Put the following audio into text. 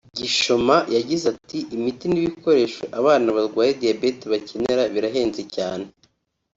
Gishoma yagize ati”imiti n’ibikoresho abana barwaye diyabete bakenera birahenze cyane